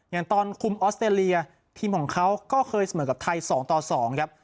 อย่างตอนคุมออสเตรเลียทีมของเขาก็เคยเสมอกับไทย๒ต่อ๒ครับ